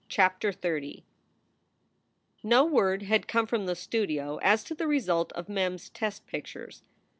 CHAPTER XXX NO word had come from the studio as to the result of Mem s test pictures.